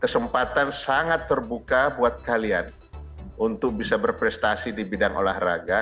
kesempatan sangat terbuka buat kalian untuk bisa berprestasi di bidang olahraga